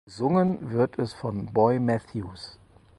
Gesungen wird es von Boy Matthews.